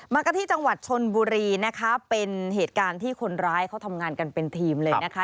มากันที่จังหวัดชนบุรีนะคะเป็นเหตุการณ์ที่คนร้ายเขาทำงานกันเป็นทีมเลยนะคะ